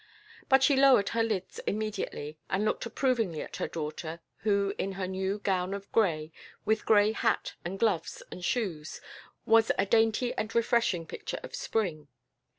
But she lowered her lids immediately and looked approvingly at her daughter, who in her new gown of gray, with gray hat and gloves and shoes, was a dainty and refreshing picture of Spring.